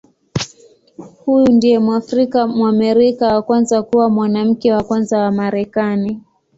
Huyu ndiye Mwafrika-Mwamerika wa kwanza kuwa Mwanamke wa Kwanza wa Marekani.